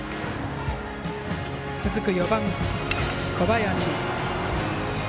続く４番、小林。